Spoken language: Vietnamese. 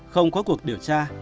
không có cuộc điều tra